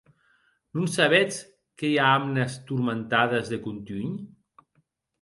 Non sabetz que i a amnes tormentades de contunh?